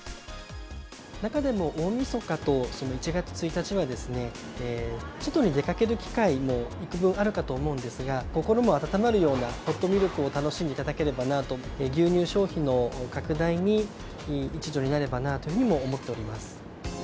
中でも大みそかと１月１日はですね、外に出かける機会も幾分あるかと思うんですが、心も温まるようなホットミルクを楽しんでいただければなと、牛乳消費の拡大に、一助になればなというふうにも思っております。